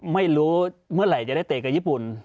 ไม่รู้เมื่อไหร่จะได้เตะกับญี่ปุ่น